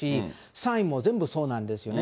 サインも全部そうなんですよね。